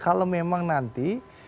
kalau memang nanti